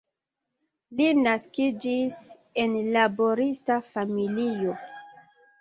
Li naskiĝis en laborista familio.